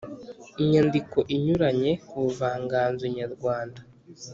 imyandiko inyuranye ku buvanganzo nyarwanda